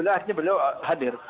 akhirnya beliau hadir